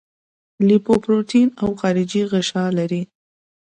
لیپوپروټین او خارجي غشا لري.